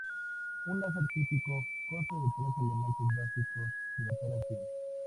Un láser típico consta de tres elementos básicos de operación.